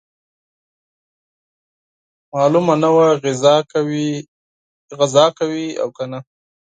معلومه نه وه غزا کوي او کنه.